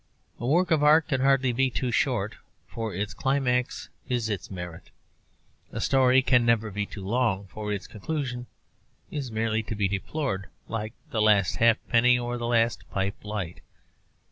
A work of art can hardly be too short, for its climax is its merit. A story can never be too long, for its conclusion is merely to be deplored, like the last halfpenny or the last pipelight.